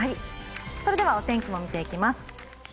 それではお天気も見ていきます。